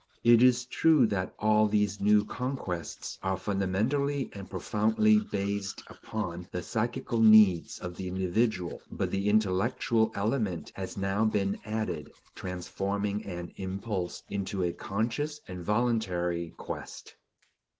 It is true that all these new conquests are fundamentally and profoundly based upon the psychical needs of the individual; but the intellectual element has now been added, transforming an impulse into a conscious and voluntary quest.